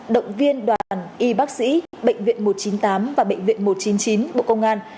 động viên đoàn y bác sĩ bệnh viện một trăm chín mươi tám và bệnh viện một trăm chín mươi chín bộ công an